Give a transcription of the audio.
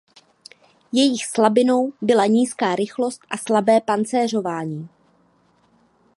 Jejich slabinou byla nízká rychlost a slabé pancéřování.